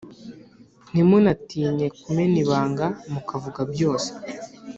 ntimunatinye kumena ibanga ,mukavuga byose